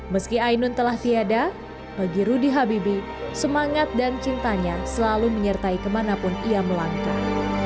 meski ainun telah tiada bagi rudy habibie semangat dan cintanya selalu menyertai kemanapun ia melangkah